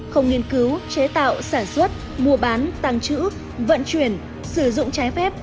không nghiên cứu chế tạo sản xuất mua bán tăng trữ vận chuyển sử dụng trái phép